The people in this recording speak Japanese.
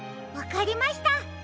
わかりました！